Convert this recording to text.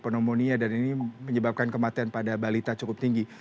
pneumonia dan ini menyebabkan kematian pada balita cukup tinggi